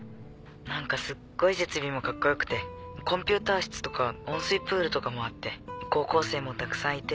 何かすっごい設備もカッコよくてコンピューター室とか温水プールとかもあって高校生もたくさんいて。